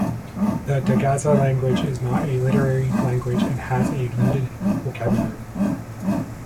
The Dazaga language is not a literary language and has a limited vocabulary.